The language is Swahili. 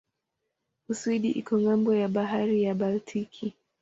Uswidi iko ng'ambo ya bahari ya Baltiki.